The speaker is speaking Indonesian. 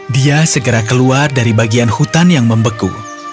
dia segera keluar dari bagian hutan yang membeku